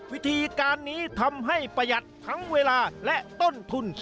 วิธีการนี้ทำให้ประหยัดทั้งเวลาและต้นทุน